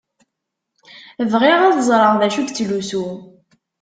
Bɣiɣ ad ẓṛeɣ dacu i yettlusu.